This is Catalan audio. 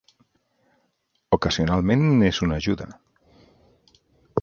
Ocasionalment és una ajuda!